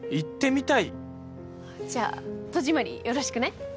じゃ戸締まりよろしくね。